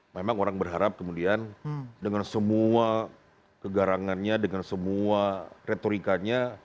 memang orang berharap kemudian dengan semua kegarangannya dengan semua retorikanya